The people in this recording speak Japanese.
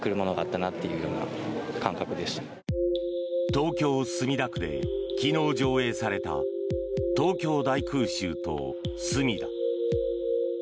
東京・墨田区で昨日上映された「東京大空襲とすみだ」。